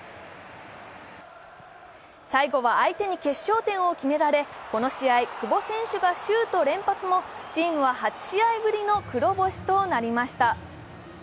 最後は相手に決勝点を決められ、この試合、久保選手がシュート連発もチームは８試合ぶりの黒星となりました。